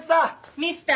ミスター